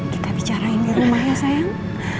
kita bicarain di rumah ya sayang